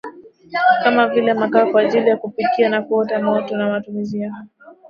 kama vile makaa kwa ajili ya kupikia na kuota moto na matumizi ya